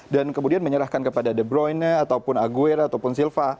dan kemudian menyerahkan kepada de bruyne ataupun aguero ataupun silva